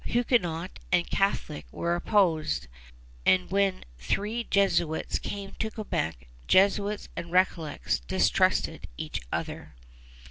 Huguenot and Catholic were opposed; and when three Jesuits came to Quebec, Jesuits and Recollets distrusted each other.